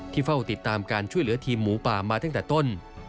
เฝ้าติดตามการช่วยเหลือทีมหมูป่ามาตั้งแต่ต้น